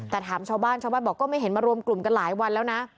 แต่ถามชาวบ้านชาวบ้านบอกก็ไม่เห็นมารวมกลุ่มกันหลายวันแล้วนะ